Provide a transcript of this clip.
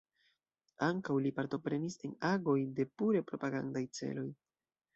Ankaŭ li partoprenis en agoj de pure propagandaj celoj.